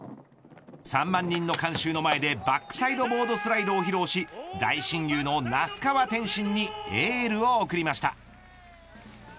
３万人の観衆の前でバックサイドボードスライドを披露し大親友の那須川天心にエールを送りました。